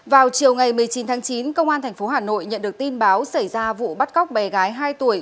vào chiều ngày một mươi chín tháng chín công an tp hà nội nhận được tin báo xảy ra vụ bắt cóc bé gái hai tuổi